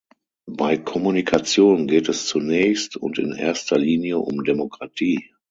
Bei Kommunikation geht es zunächst und in erster Linie um Demokratie.